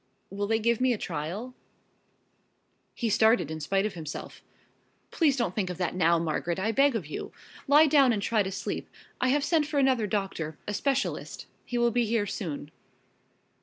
Will they give me a trial?" He started in spite of himself. "Please don't think of that now, Margaret, I beg of you. Lie down and try to sleep. I have sent for another doctor, a specialist. He will be here soon."